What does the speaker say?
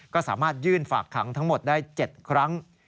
ก็สามารถยื่นฝากขังทั้งหมดได้๗ครั้ง